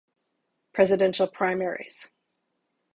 Presidential primaries